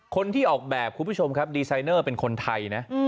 คนที่ออกแบบคุณผู้ชมครับดีไซเนอร์เป็นคนไทยนะ